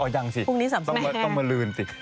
ยังสิต้องมาลืนสิ